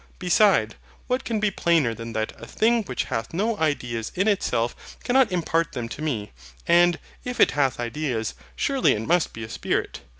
Beside, what can be plainer than that a thing which hath no ideas in itself cannot impart them to me; and, if it hath ideas, surely it must be a Spirit.